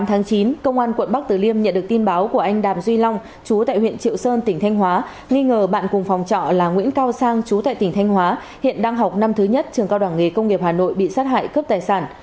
một mươi chín tháng chín công an quận bắc tử liêm nhận được tin báo của anh đàm duy long chú tại huyện triệu sơn tỉnh thanh hóa nghi ngờ bạn cùng phòng trọ là nguyễn cao sang chú tại tỉnh thanh hóa hiện đang học năm thứ nhất trường cao đảng nghề công nghiệp hà nội bị sát hại cướp tài sản